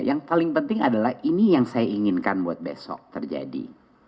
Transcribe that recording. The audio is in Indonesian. yang paling penting adalah ini yang saya inginkan buat besok terjadi